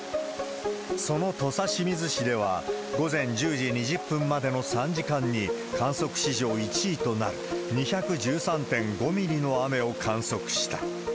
その土佐清水市では、午前１０時２０分までの３時間に、観測史上１位となる２１３．５ミリの雨を観測した。